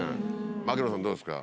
槙野さん、どうですか。